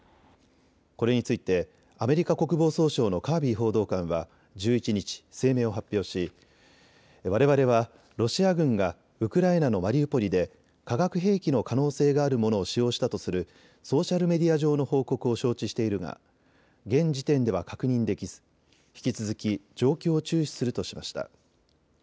これについてアメリカ国防総省のカービー報道官は１１日、声明を発表しわれわれはロシア軍がウクライナのマリウポリで化学兵器の可能性があるものを使用したとするソーシャルメディア上の報告を承知しているが現時点では確認できず引き続き状況を注視するとしました。